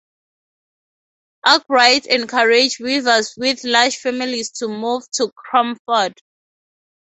Arkwright encouraged weavers with large families to move to Cromford.